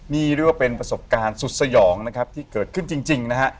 นี่เรียกว่าเป็นประสบการณ์สุดสยองนะครับที่เกิดขึ้นจริงนะฮะ